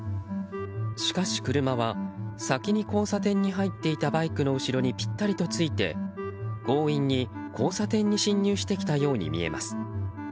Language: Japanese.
しかし、車は先に交差点に入っていたバイクの後ろにぴったりとついて強引に交差点に進入してきたように見えます。